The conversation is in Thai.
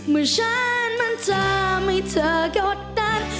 เมื่อฉันมันทำให้เธอกบตัด